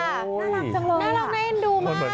น่ารักจังเลย